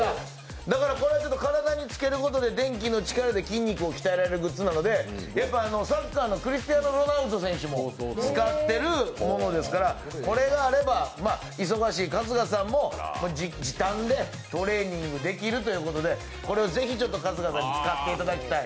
だから、体につけることで電気の力で筋肉を鍛えられるグッズなのでサッカーのクリスティアーノ・ロナウド選手も使っているものですからこれがあれば忙しい春日さんも時短でトレーニングできるということでこれをぜひ春日さんに使っていただきたい。